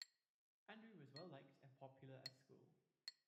Andrew was well liked and popular at school.